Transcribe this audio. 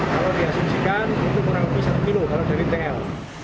kalau di asumsikan itu kurang lebih satu km kalau dari tl